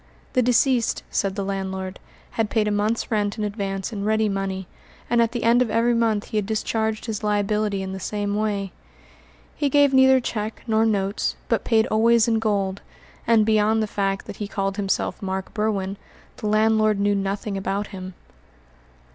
The deceased, said the landlord, had paid a month's rent in advance in ready money, and at the end of every month he had discharged his liability in the same way. He gave neither cheque nor notes, but paid always in gold; and beyond the fact that he called himself Mark Berwin, the landlord knew nothing about him.